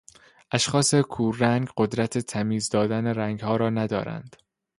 اشخاص کور رنگ قدرت تمیز دادن رنگها را ندارند.